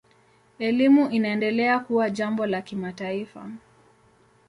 Elimu inaendelea kuwa jambo la kimataifa.